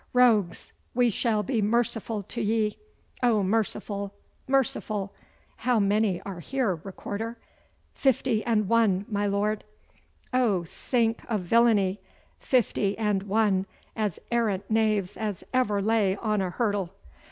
Rogues, we shall be merciful to ye oh, merciful, merciful! How many are here, recorder?' 'Fifty and one, my Lord.' 'Oh, sink of villainy! Fifty and one as arrant knaves as ever lay on a hurdle!